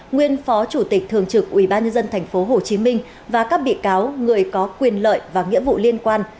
nguyên phó chủ tịch thường trực ubnd tp hcm và các bị cáo người có quyền lợi và nghĩa vụ liên quan